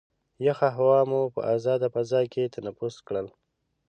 یخه هوا مو په ازاده فضا کې تنفس کړل.